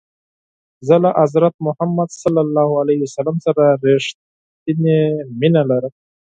زه له حضرت محمد ص سره رښتنی مینه لرم.